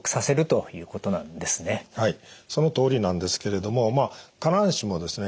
はいそのとおりなんですけれどもまあ必ずしもですね